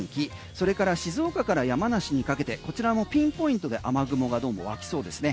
それから静岡から山梨にかけてこちらもピンポイントで雨雲がどうも湧きそうですね。